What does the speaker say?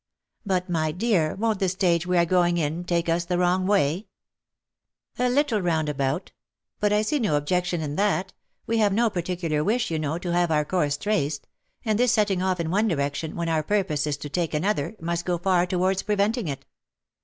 " But, my dear, won't the stage we are going in take us the wrong way ?"" A little round about — but I see no objection in that ; we have no particular wish, you know, to have our course traced, and this setting off in one direction, when our purpose is to take another, must go far towards preventing it.